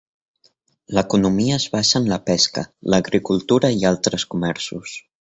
L'economia es basa en la pesca, l'agricultura i altres comerços.